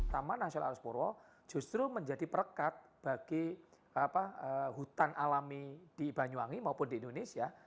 taman nasional arus purwo justru menjadi perekat bagi hutan alami di banyuwangi maupun di indonesia